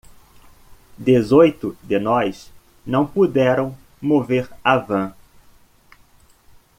Dezoito de nós não puderam mover a van.